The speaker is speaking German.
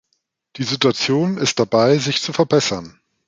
Die Situation ist dabei, sich zu verbessern.